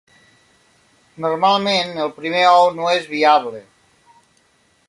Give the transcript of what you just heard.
Normalment el primer ou no és viable.